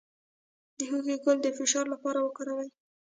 د هوږې ګل د فشار لپاره وکاروئ